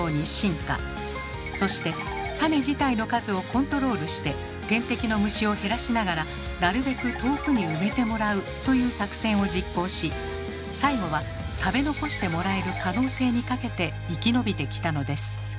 そして種自体の数をコントロールして天敵の虫を減らしながらなるべく遠くに埋めてもらうという作戦を実行し最後は食べ残してもらえる可能性にかけて生き延びてきたのです。